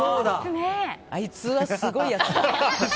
あいつはすごいやつだ。